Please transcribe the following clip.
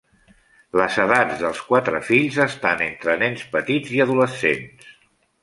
Les edats dels quatre fills estan entre nens petits i adolescents.